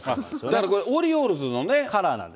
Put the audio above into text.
だからこれ、オリオールズのカラーなんです。